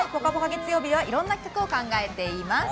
月曜日ではいろんな企画を考えております。